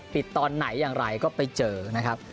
ตอนไหนอย่างไรก็ไปเจอนะครับ